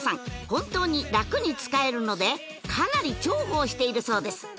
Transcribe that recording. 本当に楽に使えるのでかなり重宝しているそうです